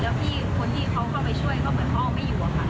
แล้วพี่คนที่เขาเข้าไปช่วยก็เหมือนเขาเอาไม่อยู่อะค่ะ